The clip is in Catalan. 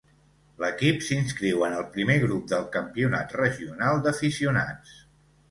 L'equip s'inscriu en el Primer Grup del Campionat Regional d'Aficionats.